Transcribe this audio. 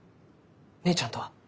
姉ちゃんとは？